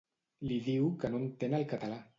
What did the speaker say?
Li diu que no entén el català.